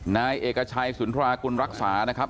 นายเอกชัยสุนทรากุลรักษานะครับ